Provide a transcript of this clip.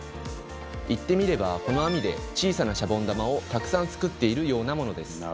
言ってみればこの網で小さなシャボン玉をたくさん作っているようなものです。